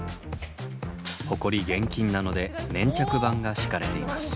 ホコリ厳禁なので粘着板が敷かれています。